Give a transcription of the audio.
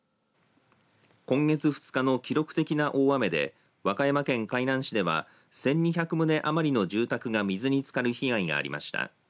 今月２日の記録的な大雨で和歌山県海南市では１２００棟余りの住宅が水につかる被害がありました。